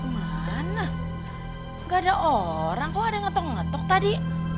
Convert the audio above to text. mana gak ada orang kok ada yang ngetok ngetok tadi